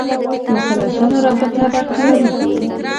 مسلسله رابطه برقرارېږي.